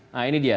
nah ini dia